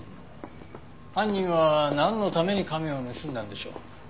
犯人はなんのために亀を盗んだんでしょう？